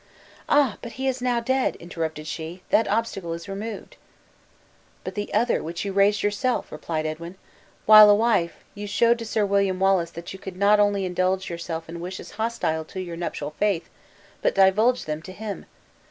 "Ah! but he is now dead!" interrupted she; "that obstacle is removed." "But the other, which you raised yourself!" replied Edwin; "while a wife, you showed to Sir William Wallace that you could not only indulge yourself in wishes hostile to your nuptial faith, but divulge them to him.